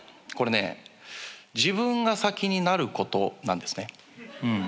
これね自分が先になることなんですね。